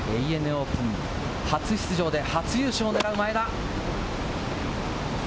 オープン初出場で初優勝を狙う前田。